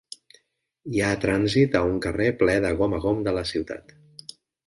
Hi ha trànsit a un carrer ple de gom a gom de la ciutat.